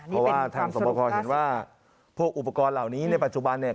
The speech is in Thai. เพราะว่าทางสวบคอเห็นว่าพวกอุปกรณ์เหล่านี้ในปัจจุบันเนี่ย